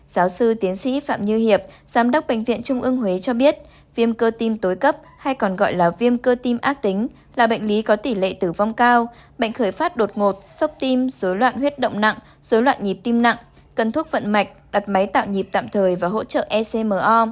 giáo sư tiến sĩ phạm như hiệp giám đốc bệnh viện trung ương huế cho biết viêm cơ tim tối cấp hay còn gọi là viêm cơ tim ác tính là bệnh lý có tỷ lệ tử vong cao bệnh khởi phát đột ngột sốc tim dối loạn huyết động nặng dối loạn nhịp tim nặng cần thuốc vận mạch đặt máy tạo nhịp tạm thời và hỗ trợ ecmo